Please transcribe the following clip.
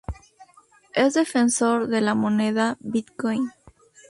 Es defensor de la moneda Bitcoin.